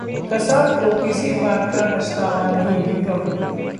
कसाब को किसी बात का पछतावा नहीं: निकम